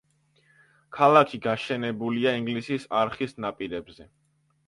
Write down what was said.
ქალაქი გაშენებულია ინგლისის არხის ნაპირებზე.